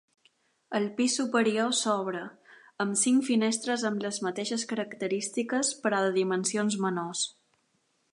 El pis superior s'obre amb cinc finestres amb les mateixes característiques però de dimensions menors.